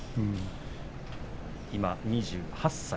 今２８歳。